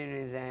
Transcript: nah ini siapa